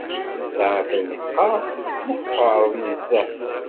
Nesɛa tazeqqa tmeqqer nezzeh.